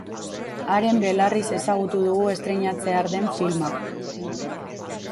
Haren belarriz ezagutu dugu estreinatzear den filma.